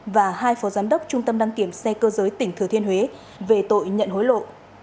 và hai phó giám đốc trung tâm đăng kiểm xe cơ giới tỉnh thừa thiên huế về tội nhận hối lộ